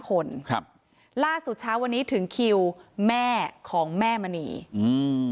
คนครับล่าสุดเช้าวันนี้ถึงคิวแม่ของแม่มณีอืม